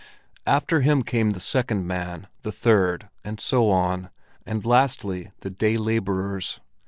After him came the second man, the third, and so on, and lastly the day laborers.